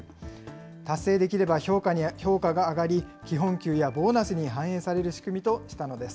達成できれば評価が上がり、基本給やボーナスに反映される仕組みとしたのです。